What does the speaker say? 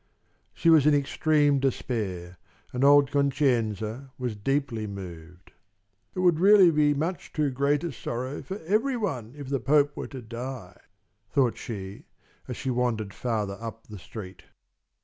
She was in extreme despair, and old Concenza was deeply moved. "It would really be much too great a sorrow for every one if the Pope were to die," thought she, as she wandered farther up the street.